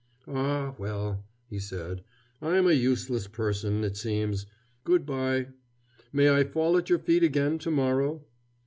"Ah, well," he said, "I am a useless person, it seems. Good by. May I fall at your feet again to morrow?"